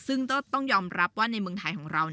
ซึ่งต้องยอมรับว่าในเมืองไทยของเรา